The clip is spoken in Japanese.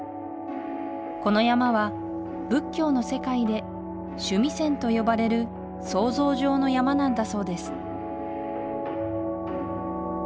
この山は仏教の世界で須弥山と呼ばれる想像上の山なんだそうです